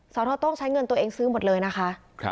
สทโต้งใช้เงินตัวเองซื้อหมดเลยนะคะ